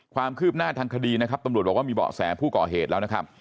ความคืบหน้าทางคดีนะครับตำรวจบอกว่ามีเบาะแสผู้ก่อเหตุแล้วนะครับ